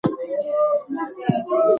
لوېدیځ لیکوال اغېزمن شول.